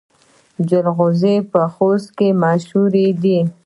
جلغوزي په خوست کې مشهور دي